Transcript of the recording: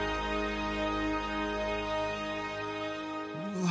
うわ。